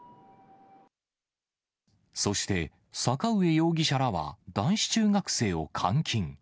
そして、坂上容疑者らは男子中学生を監禁。